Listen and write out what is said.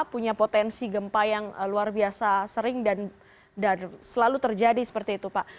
punya potensi gempa yang luar biasa sering dan selalu terjadi seperti itu pak